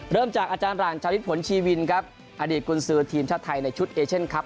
เริ่มจากอาจารย์หลานจาริสฝนชีวินครับอดิษฐ์กุญศือทีมชาติไทยในชุดเอเช่นครับ